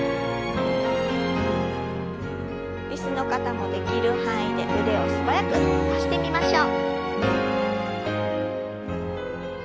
椅子の方もできる範囲で腕を素早く伸ばしてみましょう。